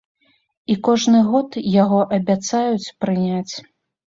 І кожны год яго абяцаюць прыняць.